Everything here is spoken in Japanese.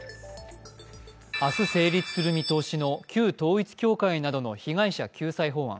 明日成立する見通しの旧統一教会などの被害者救済法案。